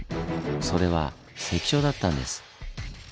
それは関所だったんです。